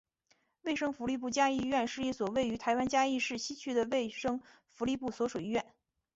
卫生福利部嘉义医院是一所位于台湾嘉义市西区的卫生福利部所属医院。